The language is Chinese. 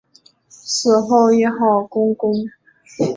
死后谥号恭公。